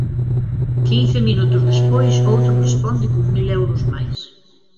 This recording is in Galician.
Quince minutos despois outro responde con mil euros máis.